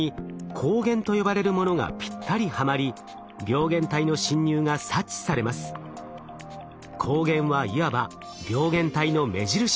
抗原はいわば病原体の目印です。